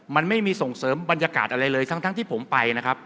มันไม่มีส่งเสริมบรรยากาศอะไรเลยทั้งที่ผมไปนะครับ